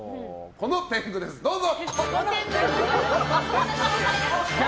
この天狗です、どうぞ。